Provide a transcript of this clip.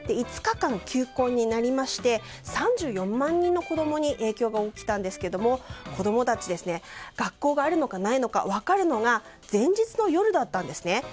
５日間休校になりまして３４万人の子供に影響が及んだんですけども子供たち学校があるのかないのか分かるのが前日の夜だったんですね。